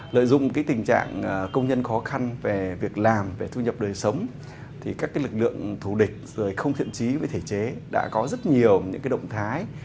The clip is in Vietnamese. lợi dụng tình trạng công nhân khó khăn về việc làm về thu nhập đời sống thì các cái lực lượng thủ địch rồi không thiện trí với thể chế đã có rất nhiều những cái động thái